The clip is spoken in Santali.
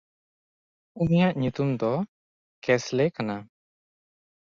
ᱩᱱᱤᱭᱟᱜ ᱧᱩᱛᱩᱢ ᱫᱚ ᱠᱮᱥᱞᱮ ᱠᱟᱱᱟ᱾